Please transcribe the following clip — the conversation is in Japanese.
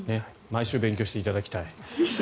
毎週勉強していただきたい。